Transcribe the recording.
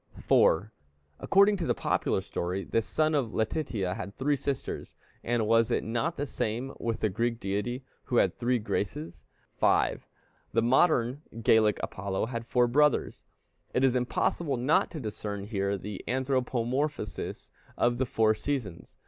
4. According to the popular story, this son of Letitia had three sisters; and was it not the same with the Greek deity, who had the three Graces? 5. The modern Gallic Apollo had four brothers. It is impossible not to discern here the anthropomorphosis of the four seasons.